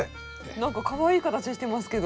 なんかかわいい形してますけど。